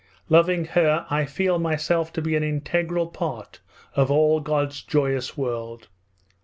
Loving her I feel myself to be an integral part of all God's joyous world.